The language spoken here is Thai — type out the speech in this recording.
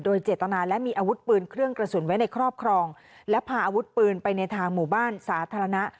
โดยเจตนาและมีอาวุธปืนเครื่องกระสุนไว้ในครอบครองและพาอาวุธปืนไปในทางหมู่บ้านสาธารณะ